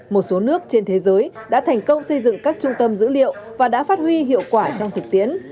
một số nước trên thế giới đã thành công xây dựng các trung tâm dữ liệu và đã phát huy hiệu quả trong thực tiễn